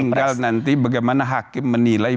tinggal nanti bagaimana hakim menilai